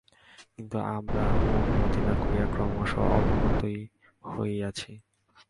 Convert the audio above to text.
কিন্তু আমরা উন্নতি না করিয়া ক্রমশ অবনতই হইয়াছি।